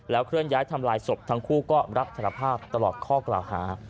แล้วเคลื่อนย้ายทำรายสบทั้งคู่ก็รับธรรมภาพตลอดข้อกราวฮาร์